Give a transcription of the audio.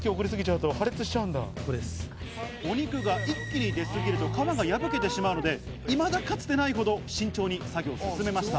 お肉が一気に出すぎると、皮が破けてしまうので、いまだかつてないほど慎重に作業を進めました。